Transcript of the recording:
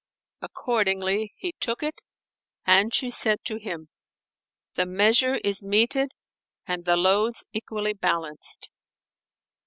Accordingly, he took it and she said to him, "The measure is meted and the loads equally balanced.